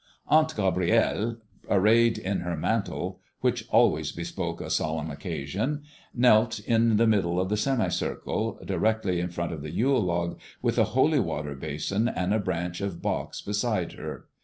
Aunt Gabrielle, arrayed in her mantle, which always bespoke a solemn occasion, knelt in the middle of the semi circle, directly in front of the Yule log, with a holy water basin and a branch of box beside her.